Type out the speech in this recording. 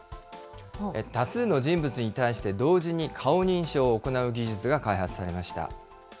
多数の人物に対して同時に顔認証を行う技術が開発されました。